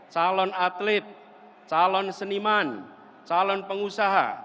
calon atlet calon seniman calon pengusaha